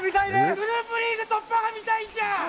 グループリーグ突破が見たいんじゃ！